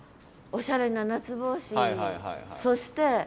おしゃれな夏帽子にそして